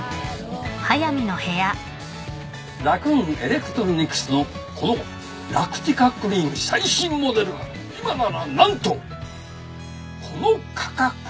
ラクーン・エレクトロニクスのこのラクティカクリーン最新モデルが今なら何とこの価格。